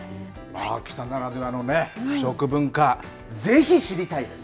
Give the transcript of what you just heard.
北ならではのね、食文化、ぜひ知りたいです。